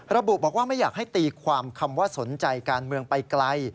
ระบุบอกว่าไม่อยากให้ตีความคำว่าสนใจการเมืองไปไกล